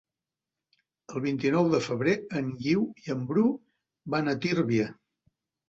El vint-i-nou de febrer en Guiu i en Bru van a Tírvia.